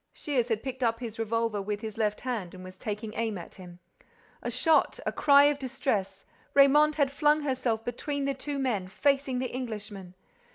Shears had picked up his revolver with his left hand and was taking aim at him. A shot—a cry of distress—Raymonde had flung herself between the two men, facing the Englishman.